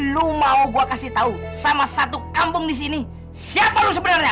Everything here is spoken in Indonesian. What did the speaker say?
lo mau gue kasih tau sama satu kampung disini siapa lo sebenarnya